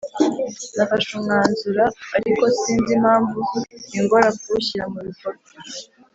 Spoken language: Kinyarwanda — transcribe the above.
Nafashe umwanzura ariko sinzi impamvu bingora kuwushyira mu bikorwa